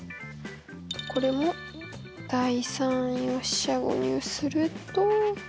これも第３位を四捨五入すると。